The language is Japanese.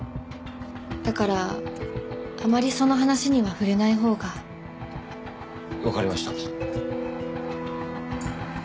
だからあまりその話には触れないほうが。わかりました。